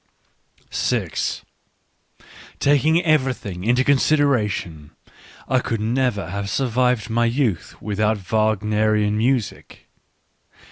> Taking everything into consideration, I could never have survived my youth without Wagnerian music.